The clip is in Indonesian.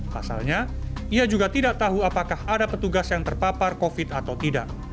pasalnya ia juga tidak tahu apakah ada petugas yang terpapar covid atau tidak